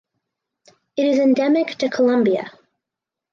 It is endemic to Colombia.